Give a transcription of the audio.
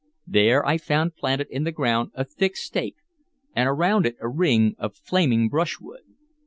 There I found planted in the ground a thick stake, and around it a ring of flaming brushwood.